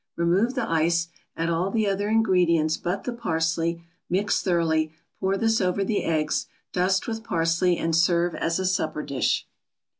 Remove the ice, add all the other ingredients but the parsley, mix thoroughly, pour this over the eggs, dust with parsley and serve as a supper dish.